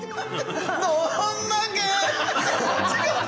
どんだけ！